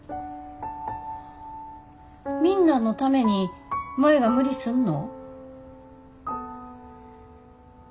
みんなのために舞が無理すんの？